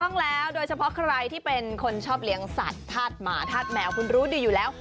ถูกต้องแล้วโดยเฉพาะใครที่เป็นคนชอบเลี้ยงสัตว์ธาตุหมาธาตุแมวคุณรู้ดีอยู่แล้ว